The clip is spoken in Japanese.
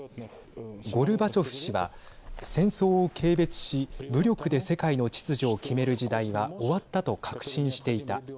ゴルバチョフ氏は、戦争を軽蔑し武力で世界の秩序を決める時代は終わったと確信していた。